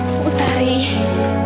amira putari putari